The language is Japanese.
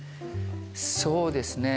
そうですね